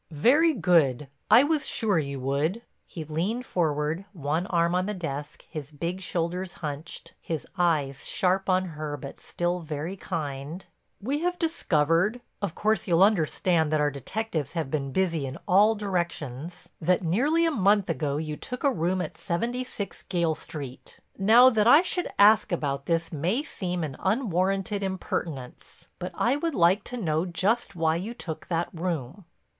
"Very good. I was sure you would." He leaned forward, one arm on the desk, his big shoulders hunched, his eyes sharp on her but still very kind. "We have discovered—of course you'll understand that our detectives have been busy in all directions—that nearly a month ago you took a room at 76 Gayle Street. Now that I should ask about this may seem an unwarranted impertinence, but I would like to know just why you took that room."